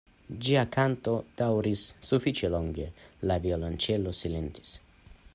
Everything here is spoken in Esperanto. Ĝia kanto daŭris sufiĉe longe, la violonĉelo silentis.